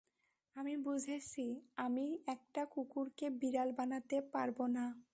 আমি বুঝেছি আমি একটা কুকুরকে বিড়াল বানাতে পারবো না।